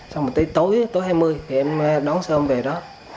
xong rồi tới tối tối hai mươi thì em đón xe hôm về đó